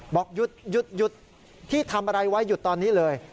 บอกหยุดที่ทำอะไรไว้หยุดตอนนี้เลย